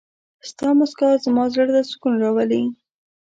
ستا مسکا زما زړه ته سکون راولي.